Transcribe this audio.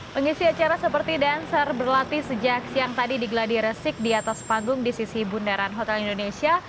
pengisi acara seperti dancer berlatih sejak siang tadi digelar di resik di atas panggung di sisi bundaran hotel indonesia